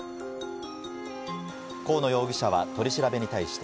河野容疑者は取り調べに対して。